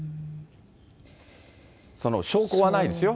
証拠はないですよ。